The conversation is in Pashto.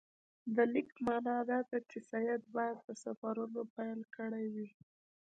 د لیک معنی دا ده چې سید باید په سفرونو پیل کړی وي.